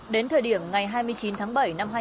đến thời điểm ngày hai mươi chín tháng bảy năm hai nghìn